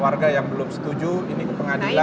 warga yang belum setuju ini ke pengadilan